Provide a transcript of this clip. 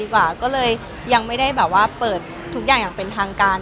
ก็เลยไม่ได้เปิดทุกอย่างเป็นทางการ